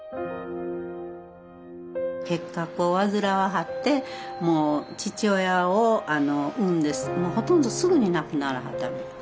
結核を患わはってもう父親を産んでもうほとんどすぐに亡くならはったみたい。